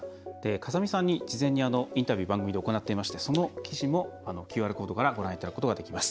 風見さんに事前にインタビュー番組で行ってましてその記事もＱＲコードからご覧いただくことができます。